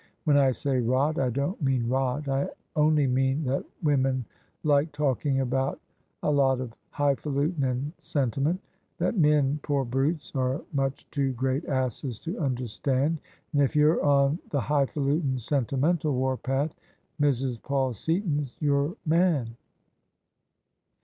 When I say ' rot ' I don't mean * rot ': I only mean that women like talking about a lot of highfalutin' and sentiment, that men — poor brutes! — are much too great asses to understand. And if you're on the highfalutin', sentimental warpath, Mrs. Paul Seaton's your man."